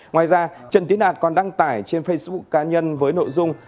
ngoài ra trần tín đạt còn đăng tải trên facebook cá nhân với nội dung